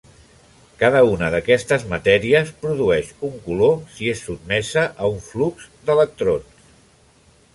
Cada una d'aquestes matèries produeix un color si és sotmesa a un flux d'electrons.